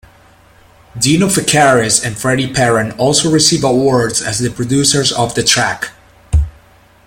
Dino Fekaris and Freddie Perren also received awards as the producers of the track.